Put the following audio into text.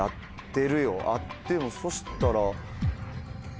でもそしたら。